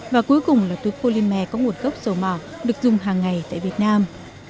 và cuối cùng là túi polymer có nguồn gốc dầu mỏ được dùng hàng ngày tại việt nam